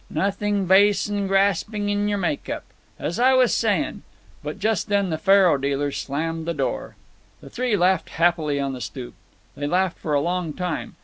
Nothin' base 'n graspin' in your make up. As I was sayin'—" But just then the faro dealer slammed the door. The three laughed happily on the stoop. They laughed for a long time.